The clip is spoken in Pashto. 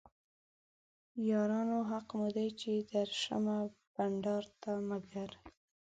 یارانو حق مو دی چې درشمه بنډار ته مګر